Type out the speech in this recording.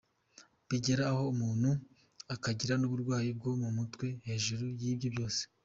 Bigera aho umuntu akagira n’uburwayi bwo mu mutwe hejuru y’ibyo byose.